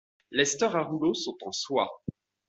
Les stores à rouleau sont en soie.